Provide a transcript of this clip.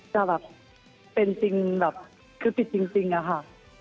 จะเป็นซิ่งคลิปจริงอะค่ะ